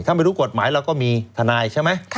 ถ้าไม่รู้กฎหมายเราก็มีทนายใช่ไหม